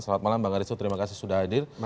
selamat malam bang aristo terima kasih sudah hadir